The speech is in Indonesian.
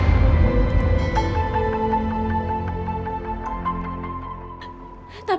ini macam oritas